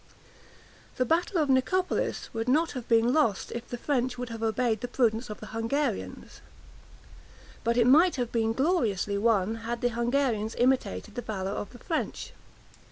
The battle of Nicopolis would not have been lost, if the French would have obeyed the prudence of the Hungarians; but it might have been gloriously won, had the Hungarians imitated the valor of the French.